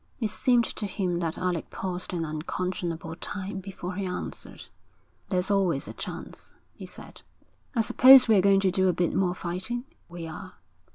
It seemed to him that Alec paused an unconscionable time before he answered. 'There's always a chance,' he said. 'I suppose we're going to do a bit more fighting?' 'We are.'